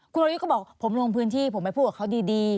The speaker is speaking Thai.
คุณรยุทธ์ก็บอกผมลงพื้นที่ผมไปพูดกับเขาดี